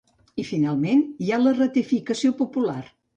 I, finalment, hi ha la ratificació popular.